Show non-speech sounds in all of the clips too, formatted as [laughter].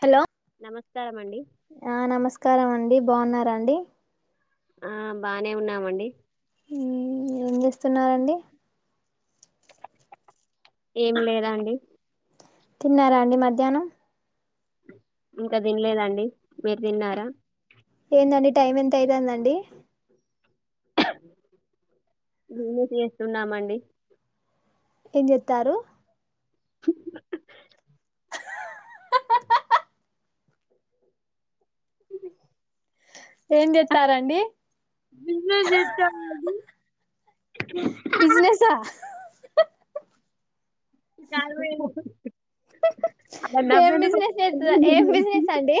Hello నమస్కారం అండి ఆ నమస్కారం అండి బాగున్నారంండి ఆ బానే ఉన్నామండి ఏం చేస్తున్నరండి ఏమి లేదా అండి తిన్నారా అండి మధ్యానం ఇంకా తినలేదండి మీరు దిన్నారా ఏందండి టైం ఎంత అయితాందండి బీనిస్ చేస్తున్నామండి ఏం జేత్తారు ఏం జేత్తారండి బిజినెస్ జేత్తా [unintelligible] బిజినెసా అలా ఏం నవ్వెందుకు బిజినెస్ చేత ఏం వస్తుంది? బిజినెస్ అండి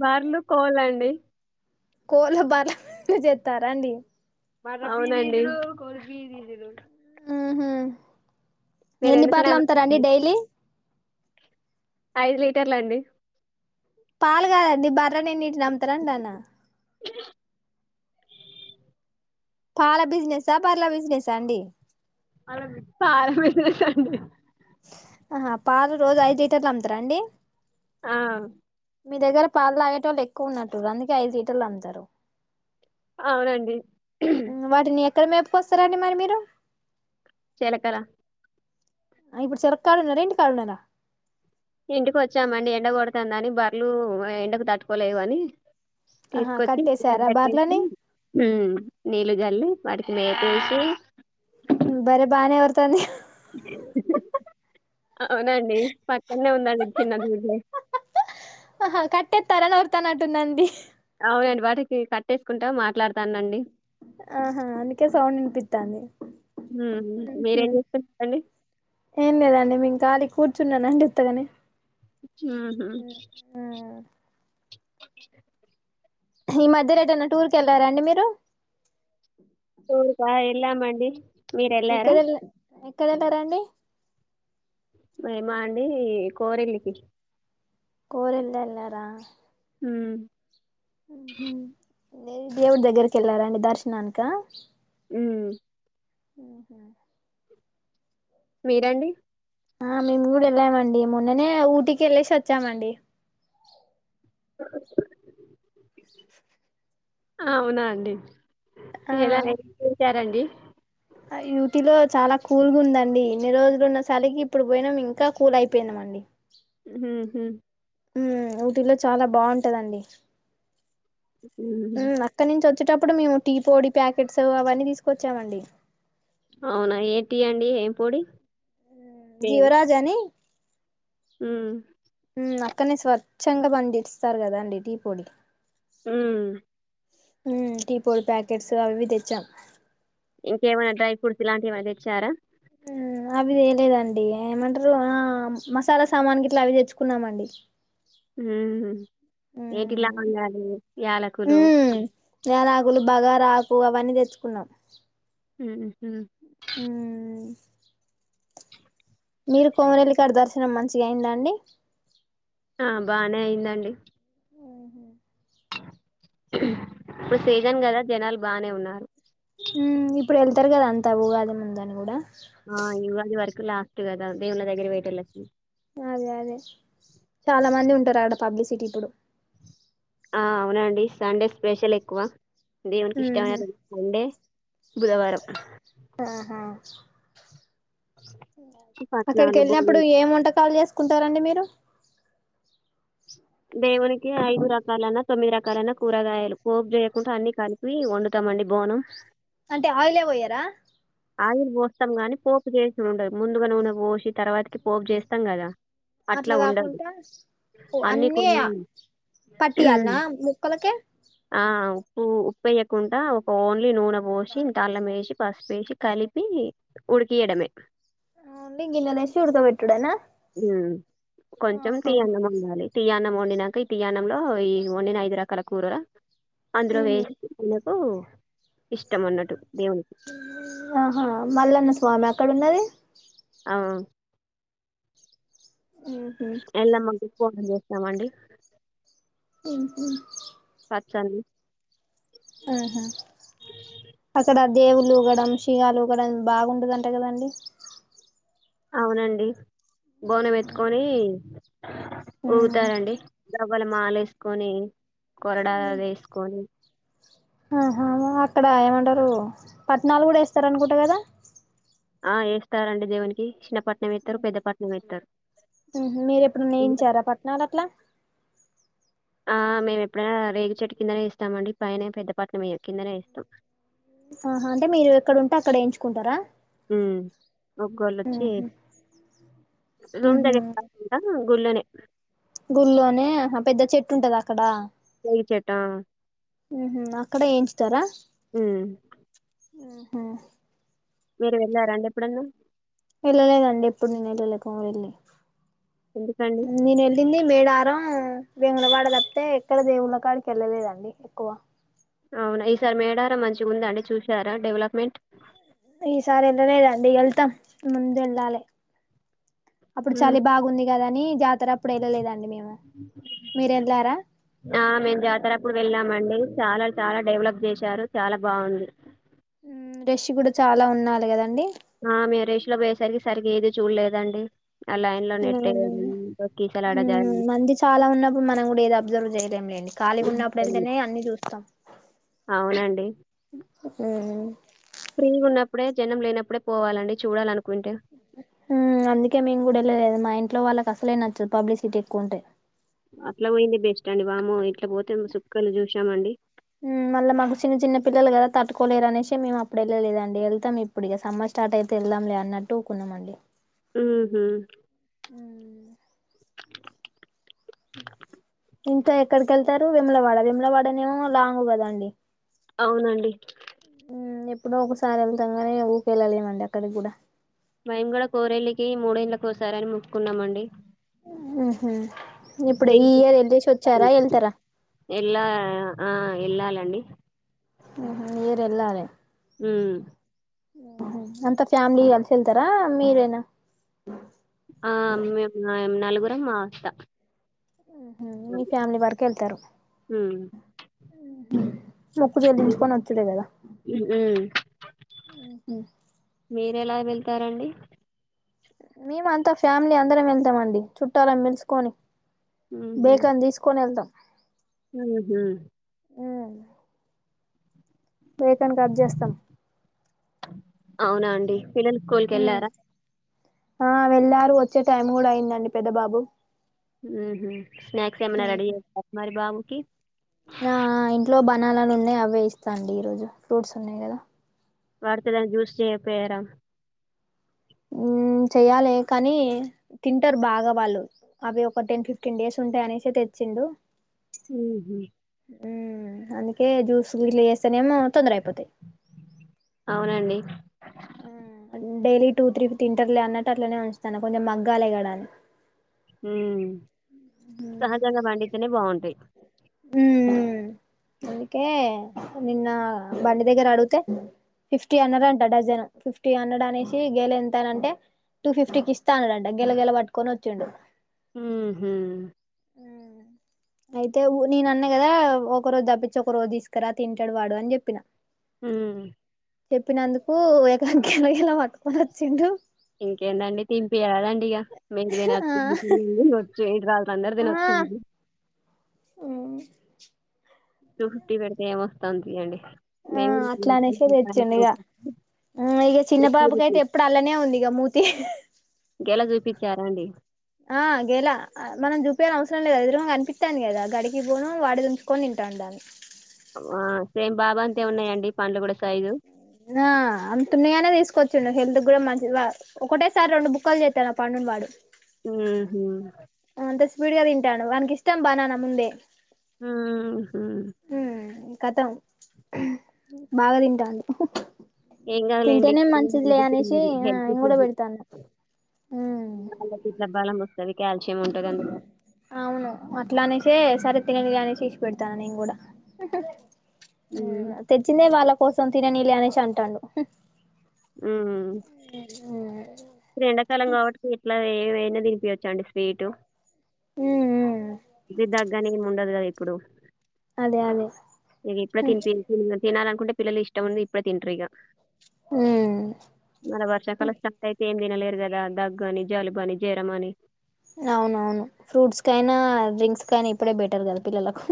బర్లుకోవాలండి కోళ్లు బర్లు జేత్తారా అండి మళ్ల అవునండి ఆహా మీరు ఎన్ని ఎందుకు బాటిళ్లు అమ్తారండి నవ్వారండి డైలీ ఐదు లీటర్లు అండి పాల్ కాదండి బర్రె నిండి నమ్తరండానా పాల బిజినెస్సా బర్లె బిజినెసా అండి పాల బిజినెస్ అండీ ఆహా పాలు రోజు ఐదు లీటర్లు అమ్ముతరాండి ఆ మీ దగ్గర పాలు తాగేటోల్లూ ఎక్కువ ఉన్నట్ అందుకే ఐదు లీటర్లు అమ్ముతారు అవునండి వాటిని ఎక్కడ మేపుకొస్తారు అండి మరి మీరు చేలకర ఇప్పుడు చెరు కాడున్నారా ఇన్టి కాడున్నార ఇంటికి వచ్చామండి ఎండ కొడతా ఉందని బర్రలు ఎండకు తట్టుకోలేవు అని ఆహా కట్టేసారా తీసుకొచ్చిసి బర్లని నీళ్లు జల్లి రేటేంటి బర్రె బానే ఓర్రుతంది అవునండి పక్కనే ఉందండి చిన్న దూడ్లే. ఆహా కట్టెత్తారని వొర్రుతానట్టుందండి అవునండి వాటికి కట్టేసుకుంటా మాట్లాడతానండి ఆహా అందుకే సౌడ్ వినిపిస్తోంది హ్మ్ మీరేం ఉహుం చేస్తున్నారండి? ఏం లేదండి మేం కాలీ కూర్చున్నానండి ఉత్తగానే ఉహుం ఈ మధ్యలో ఎటైనా టూర్ క వెళ్లారా అండి మీరు టూర్ క ఎలామండి మిరెల్లారా ఎక్కడంటారంండి మరి మా అండి ఈ కోరెల్లికి కోరల్ల్లో ఎలార హ న దేవుడు దగ్గరికి వెళ్ళారా అండి దర్శనానక ఉ ఉహ మీరండి ఆ మేము కూడా వెళ్ళామండి మొన్ననే ఊటికి వెళ్ళసి వచ్చామండి [inaudible] అవునా అండి ఆ ఎలా రండి యూటీలో చాలా కూల్గా ఉందండి ఇన్ని రోజులు ఉన్న సలికి ఇప్పుడు పోయినాం ఇంకా కూల్ అయిపోయిందంమండి హమ్ హ ఊటిలో చాలా బాగుంటదండి హ్మ్. అక్కడి నుంచి వ వచ్చేటప్పుడు మేము టీ పొడి ప్యాకెట్స్ అవన్నీ తీసుకొచ్చామండి అవునా ఏ టీ అండి ఏం పొడి జీవరాజాని ఆ అక్కడనే స్వచ్ఛంగా పండిస్తారు కదా అండి టీ పొడి హ టీపోడ్ ప్యాకెట్స్ అవి విధచ్చా ఇంకేమైన్నా డ్రై ఫ్రూట్స్ ఇలాంటి ఏమైనా తెచ్చారా అవిదిేలేదండి ఏమంటారు మసాలా సామాన్ గ ఇట్లా అవి తెచ్చుకున్నామండి హ ఏటిలా ఉమ్ ఉండాలి యాలకులు ఆగులు బగ ఆకు అవన్నీ తెచ్చుకున్నాం ఉ హ మీరు కోమరెల్లికాడ దర్శనం మంచిగా అయిందండి ఆ బానే అయిందండి ఉహు వో ఇప్పుడు సీజన్ కదా జనాలు బగానే ఉన్నారు ఇప్పుడు వెళ్తారు కదా అంతా అ బ కాద ముందుని కూడా ఆ ఇవ వర లాస్ట్ కద ఉంది అన్న దగ్గర పోయటలా అదే అదే చాలా మంది ఉంటారు ఆడ పబ్లిసిటీ ఇప్పుడు ఆ అవునండి సండే స్పెషల్ ఎక్కువ దేవునికి ఉహు ఇష్టమైన మండే ఆహా అక్కడికి పట్నాలు, బూరెలు వెళ్ళినప్పుడు ఏం వంటకాలు చేసు ఒకుంటారంండి మీరు దేవునికి ఐదు రకాలన్నా తొమ్మిది రకాలన్నా కూరగాయలు పోపు చేయకుండా అన్ని కలిపి వండుతామండి బోనం అంటే ఆయిలే ఏ పోయారా ఆయిల్ పోస్తాం గానీ పోపు చేసి ఉండది ముందుగా నూనె పోసి తర్వాతకి పోపు చేస్తాం కదా అట్లా కాకుంటే అన్ని పట్టిాలన్న ముక్కలక ఉప్ప వేయకుండా ఒక ఓన్లీ నూనె పోసి తల్లం వేసి పసుపేసి కలిపి ఉడికియడమే ఆ నిింగ ఇ నశూఊర్ తబట్టుడుడేనా కొంచెం తియానం ఉండాలి తీియానం వండినాక ఈ తీయాణంలో ఈ వండిన ఐదు రకాల కూరరా అందులో వే ఉమ్ ఓ ఆహా మల్లన్న స్వామి అక్కడ ఉన్నది ఆ ఎల్లమ్మ ఫోన్ చేస్తామండి [inaudible] తల్లి ఆహా అక్కడ దేవుళ్ళ ఉగడం గాలుగడం బాగుంటదంట కదండి అవునండి బోనం ఎత్తుకొని ఊగుతారంండి ఇల మాల వేసుకొని కొరడా వేసుకొని ఆహ అక్కడ ఏమంటారు పట్టణాలు కూడా వేస్తారనుకుంటా కదా ఆ వేస్తారంండి దేవునికి చిన్నపట్ మీరు ఎప్పుడు నేయించారా పట్టనాలు అట్లా ఆ మేము ఎప్పుడైనా వేగుచట్టు కిందనే ఇస్తామ అండి పైన పెద్ద పట్ల మే కిందనే ఇస్తాం ఆహా అంటే మీరు ఎక్కడుంటే అక్కడ ఏయించుకుంటరా ఉమ్ ఒగ్గోలు వచ్చీ రూమ్ ఉహు దెగ్గరకూడ గుళ్ళనే గుళ్ళోనే ఆ పెద్ద చెట్టు ఉంటది అక్కడా రేగి చెట్టు ఆ హ్మ అక్కడ ఏయించుతారా ఉమ్ [inaudible] మీరు వెళ్ళారా అండి ఎప్పుడన్నా వెళ్ళలేదండి ఎప్పుడు నేను వెళ్ళలేక వెళ్ళి ఎందుకండి నేను ఎల్లిందీ మేడార్ రం వేములవాడ తప్పితే ఎక్కడ దేవుళ్ళ కాడికి ఎళ్ళలేదండి ఎక్కువ అవున ఈసారి మేడారం మంచిగ ఉందండి చూసారా డెవలప్మెంట్ ఈసారి ఎల్లలేదు అండి ఎల్తం ముందు ఎల్లాలే అప్పుడు ఉమ్ చలి బాగుంది గదా అనీ జాత్ మీరు వెళ్ళారా ఆ మేము జాతర అప్పుడు వెళ్ళామ్ అండి చాలా చాలా డెవలప్ చేశారు చాల బాగుంది రష్ గూడ చాలా ఉన్నాలి కదండీ ఆ మేరష్ లో పోయేసరికి సరిగా ఏది చూడలేదండి ఆ లైన్ లో నెట్టేయడం తొక్కిసలాట జరగడం మంది చాలా ఉన్నప్పుడు మనం కూడ ఏదీ అబ్జర్వ్ చేయలేం లేండి ఖాళీ ఉన్నప్పుడు యెల్తనే అన్నీ చూస్తాం అవునండి. హ్మ ఫ్రీ ఉన్నప్పుడే జన్నం లేనప్పుడే పోవాలండి చూడాలనినుకు అందుకే మేము కూడాలేదు మా ఇంట్లో వాళ్ళకుస్త పల నచ్చు పబ్లిసిటీ ఎకుౌంటట్ అట్లా పోయింది బెస్ట్ అండి వామో ఇట్లా పోతే సుక్కలు చూసామండి మళ్ళ మాకు చిన్న చిన్న పిల్లలు కదా తట్టుకోలేరు అనేసి మేము అప్పుడు వెళ్ళలేదండి వెళ్తాం ఇప్పుడు ఇక సమ్మర్ స్టార్ట్ అయితే వెళ్దాం లే అన్నట్టుఊకున్నామండి హ అ ఇంకా ఎక్కడిక వెళ్తారు విములవాడ విములవాడనేమో లాంగ్ కదాండి అవునండి ఇప్పుడ ఒకసారి వెళ్తాంగానే ఊరి వెళ్ళలేమండి అక్కడికి కూడా భై కూడాూడ కోరేళ్లికి మూడేళ్ళ కోసారని మొక్కున్నామండి హ ఇప్పుడు ఈ ఇయర్ వెళసి వచ్చారా వెళ్తారా వెళ్ళాలండి ఏర ఎల్ారే అ అంత ఫ్యామిలీ కలిసి వెళ్తారా మీరేనా ఆ అమ్మ్ నాలుగు ఉరంమావస్త మీ ఫ్యామిలీ వరక వెళ్తారు హ్మ్. మొక్కు చెల్లించుకొని వతులే కదా హ్మ్. చెస్తారంండి మేము అంతా ఫ్యామిలీ అందరం వెళ్తామండి చుట్టాలాన్ పిలుసుకొని బేకని తీసుకొని వెళ్తాం ఉహ్మ్ బేకన్ కట్ చేస్తాం అవునా అండి పిల్లల్ స్కూల్ కేళ్ళారా ఆ వెళ్ళారు వచ్చే టైం కూడా అయిందండి పెద్ద బాబు ఉహు స్నాక్స్ ఏమన్నా రెడీ చేశారా మరి బాబు కి ణాలాలు ఉన్నాయి అవే ఇస్తా అండి ఈరోజు ఫ్రూట్స్ ఉన్నాయి కదా వాడితో ఏదయినా జూస్ చేయపోయారా చెయ్యాలి కానీ తింటారు బాగా వాళ్ళు అవి ఒక టెన్ ఫిఫ్టీన్ డేస్ ఉంటాయ అనేసే తెచ్చిండు ఉహు ఉ అందుకే జ్యూస్ గిట్ల చేస్తేనేమో తొందర అయిపోతాయి అవునండి డైలీ టూ త్రీ ఇవి ఇంటర్లే అన్నటట్లనే ఉంచుతాన కొంచెం మగ్గాలి కద అని ఉ సహజంగా పండితేనే బాగుంటాయి ఉ అందుకే నిన్న బండి దగ్గర అడిగితే ఫిఫ్టీ అన్నాడు అంట డజన్ ఫిఫ్టీ హండ్రెడ్ అనేసి గెల ఎంతనంటే టూ ఫిఫ్టీకి ఇస్తా అన్నాడంట గెల గెల పట్టుకొని వచ్చిండు హు హు తే నేన అన్నా కదా ఒక రోజు దప్పించి ఒక రోజు తీసుకురా తింటాడు వాడు అని చెప్పిన హు చెప్పినందుకు ఇక గేల గేల పట్టుకొని వచ్చిండు ఇంకేందండి తిన్పియరాదండీ [unintelligible] ఆ [unintelligible] కాదు అందరు తినొచ్చా ఉహ్ టూ ఫిఫ్టీ పెడితే ఏమొస్తందితి అండి ఆ అట్లా అనేసే తెచ్చండు ఇగ ఆ ఇగ చిన్న బాబుకి ఐతే ఎప్పుడు అల్లనే ఉంది ఇగ మూతి గెల చూపించారా అండి ఆ గెల మనం చూపినవసరం లేదు ఎదురుంగా కనిపిస్థాందీ గదా గడికి పోను వాడి దుంచుకొని తంటాండు ఆ సేమ్ బాబు అంతే ఉన్నాయండి పండ్లు కూడా సైజు ఆ అంతున్నాయనే తీసుకొచ్చుండు హెల్త్ కూడా మంచి ఒకటేసారి రెండు బుక్కలు చేస్తాండూ ఆ పండును వాడు ఉహు అంత స్పీడ్ గా తింటండూ వానకి ఇష్టం బానాన ముందే హుహు ఉమ్ కతం బాగా తింటండూ ఏం కాదులేండి తింటేనే మంచిదిలే అనేసి ఆ హెల్త్ నేన్ కూడా ఫుడ్ పెడతాన్న ఉమ్ వాళ్ళకి ఇట్లా బలం వస్తది కాల్షియం ఉంటది అందులో అవును అట్లా అనేసే సరే తియానేసి ఇషిపెడతాన నేను కూడా హ్మ్ తెచ్చిందే వాళ్ళకు కోసం తినని లే అనేషీ అంటాండు ఉమ్ ఉమ్ ఎ్రండాకాలం కాబట్టి ఎట్లా ఏ ఏయినా తినిపియాచు అండి స్వీటు ఉమ్ ది దగ్గు అని ఉండదు కదా ఇప్పుడు అదే అదే ఏది ఎప్పుడు తీని పే తినాలనుకుంటే పిల్లలు ఇష్టము ఉంది ఇప్పుడు తింటారు ఇక ఉమ్ మర వర్షా కాలం స్టా ఏం తినలేరు కదా దగ్గు అని జాలిబు అని జ్వరం అని అవునవును ఫ్రూట్స్ కైనా డ్రింక్స్ కైనా ఇప్పుడే బెటర్ కదా పిల్లలకు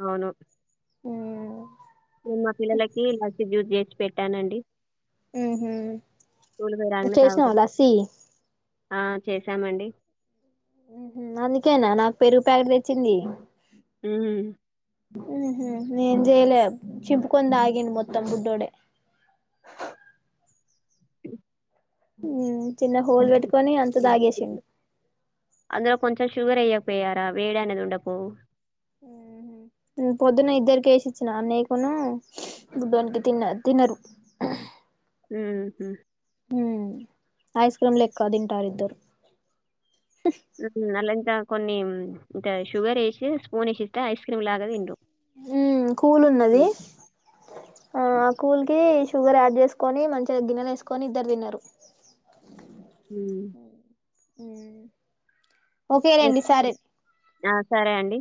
అవును ఏమ్ మా పిలలకి లస్సీ జ్యూస్ పెట్టానండి స్కూల్ పోయి రాగానే చేసినావా తాగుతారు. లస్సీ ఆ చేసామండి అందుకేనా నాకు పెరుగు ప్యాకట్ తెచ్చింది ఉమ్ ఉ హ నే జయలే చింపుకొని తాగ్గిండు మొత్తంబుడ్డోడ ఉమ్ చిన్న హోల్ పెట్టుకొని అంత తాగేసిండు అందులో కొంచెం షుగర్ అయ్యాకపోయారా వేడాని ఎది ఉండ పో పొద్దున్న ఇద్దరిక వేసిచ్చిన అన్న కొను బుడ్నికి తిన్న తినరు ఉ హమ్ హ ఐస్ క్రీమ్ లెక్క తింటారు ఇద్దరు ఉ అలా ఎంత కొన్ని ఇ షుగర్ వేసి స్పూన్ వేసిస్తే ఐస్ క్రీమ్ లాగాండు ఉ కూలు ఉన్నది ఆ ఆ కూల్ కి షుగర్ యాడ్ చేసుకొని మంచిగా గిన్నెలు వేసుకొని ఇద్దరు తిన్నారు హ్మ్. ఉమ్ ఓకేనండి ఓకే. సరేం ఆ! సరే అండి